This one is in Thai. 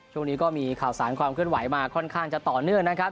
ช่วงนี้ก็มีข่าวสารความเคลื่อนไหวมาค่อนข้างจะต่อเนื่องนะครับ